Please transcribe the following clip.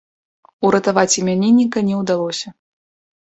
Уратаваць імянінніка не ўдалося.